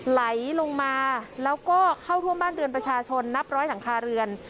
ไหลลงมาแล้วก็เข้าท่วมบ้านเรือนประชาชนนับร้อยหลังคาเรือน